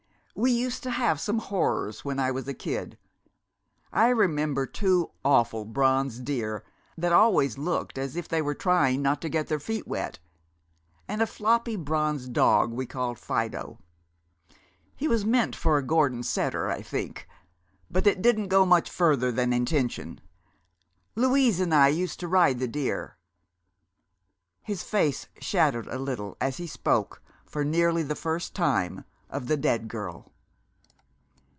"We used to have some horrors when I was a kid. I remember two awful bronze deer that always looked as if they were trying not to get their feet wet, and a floppy bronze dog we called Fido. He was meant for a Gordon setter, I think, but it didn't go much further than intention. Louise and I used to ride the deer." His face shadowed a little as he spoke, for nearly the first time, of the dead girl.